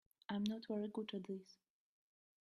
I'm not very good at this.